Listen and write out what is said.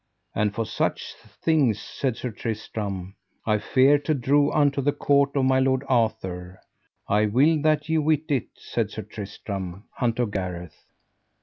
And for such things, said Sir Tristram, I fear to draw unto the court of my lord Arthur; I will that ye wit it, said Sir Tristram unto Gareth.